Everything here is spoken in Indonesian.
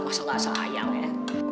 masalah sayang ya